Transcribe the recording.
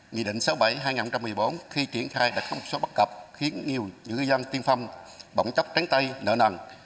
nghị định sáu mươi bảy hai nghìn một mươi bốn khi triển khai đã có một số bất cập khiến nhiều ngư dân tiên phong bỗng chốc tránh tay nợ nằn